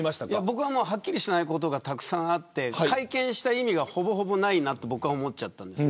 僕ははっきりしないことがたくさんあって会見した意味がほぼほぼないなと僕は思っちゃったんです。